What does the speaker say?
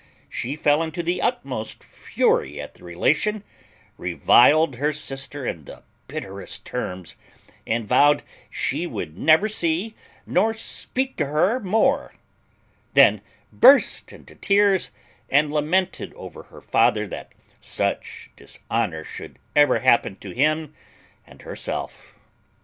She fell into the utmost fury at the relation, reviled her sister in the bitterest terms, and vowed she would never see nor speak to her more; then burst into tears and lamented over her father that such dishonour should ever happen to him and herself.